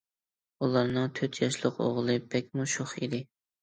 ئۇلارنىڭ تۆت ياشلىق ئوغلى بەكمۇ شوخ ئىدى.